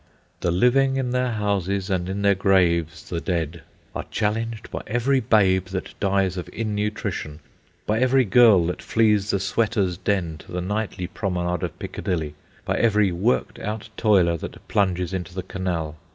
"The living in their houses, and in their graves the dead," are challenged by every babe that dies of innutrition, by every girl that flees the sweater's den to the nightly promenade of Piccadilly, by every worked out toiler that plunges into the canal.